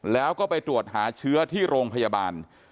แล้วก็ไปตรวจหาเชื้อที่โรงพยาบาล